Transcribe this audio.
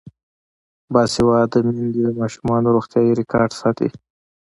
باسواده میندې د ماشومانو روغتیايي ریکارډ ساتي.